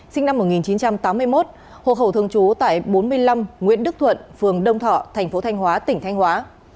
sinh năm một nghìn chín trăm tám mươi một hộ khẩu thương chú tại bốn mươi năm nguyễn đức thuận phường đông thọ tp thanh hóa tỉnh thanh hóa